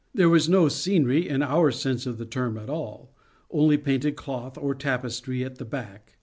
There was no scenery in our sense of the term at all, only painted cloth or tapestry at the back.